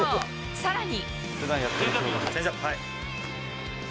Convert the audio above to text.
さらに。